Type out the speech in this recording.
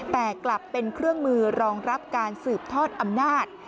แต่กลับเป็นเครื่องมือรองรับการสืบทอดอำนาจ